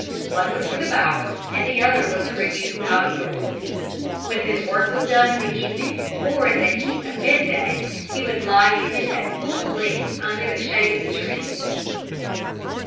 One was for the bower and the other was for use out of doors. When his work was done in the evening or in the heat of the midday he would lie in it at full length under the shade of the trees.